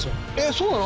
そうなの？